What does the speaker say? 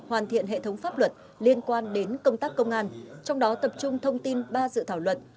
hoàn thiện hệ thống pháp luật liên quan đến công tác công an trong đó tập trung thông tin ba dự thảo luật